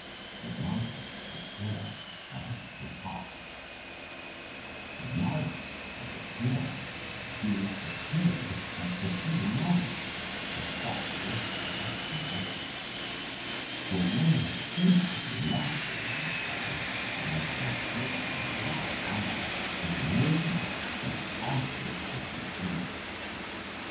The Lion, the Bear, and the Fox A LION and a Bear seized a Kid at the same moment, and fought fiercely for its possession. When they had fearfully lacerated each other and were faint from the long combat, they lay down exhausted with fatigue.